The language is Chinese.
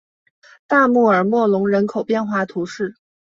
大穆尔默隆人口变化图示